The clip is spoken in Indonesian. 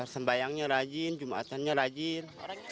sembayangnya rajin jumatannya rajin